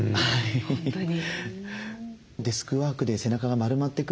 本当に。